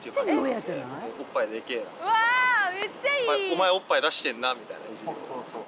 お前おっぱい出してんなみたいないじりを。